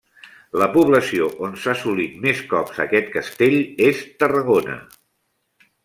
La població on s'ha assolit més cops aquest castell és Tarragona.